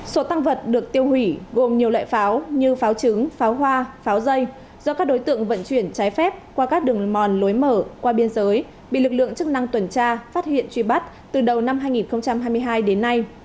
số tăng vật được tiêu hủy gồm nhiều loại pháo như pháo trứng pháo hoa pháo dây do các đối tượng vận chuyển trái phép qua các đường mòn lối mở qua biên giới bị lực lượng chức năng tuần tra phát hiện truy bắt từ đầu năm hai nghìn hai mươi hai đến nay